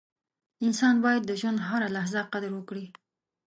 • انسان باید د ژوند هره لحظه قدر وکړي.